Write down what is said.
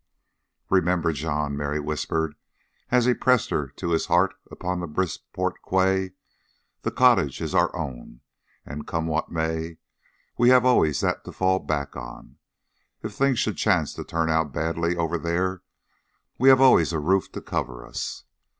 "Remember, John," Mary whispered, as he pressed her to his heart upon the Brisport quay, "the cottage is our own, and come what may, we have always that to fall back upon. If things should chance to turn out badly over there, we have always a roof to cover us.